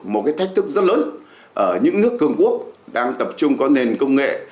một cái thách thức rất lớn ở những nước cường quốc đang tập trung có nền công nghệ